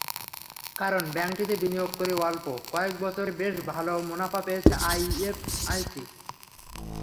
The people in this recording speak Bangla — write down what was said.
কারণ, ব্যাংকটিতে বিনিয়োগ করে অল্প কয়েক বছরে বেশ ভালো মুনাফা পেয়েছে আইএফআইসি।